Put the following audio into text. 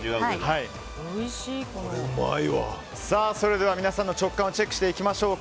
それでは、皆さんの直感をチェックしていきましょう。